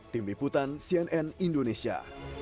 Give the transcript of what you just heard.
tim liputan cnn indonesia